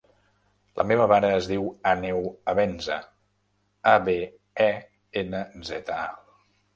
La meva mare es diu Àneu Abenza: a, be, e, ena, zeta, a.